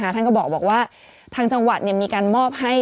ท่านก็บอกว่าทางจังหวัดมีการมอบให้